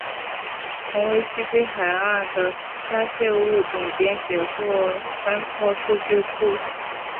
曾为西非海岸的虾蟹物种编写过三套数据库。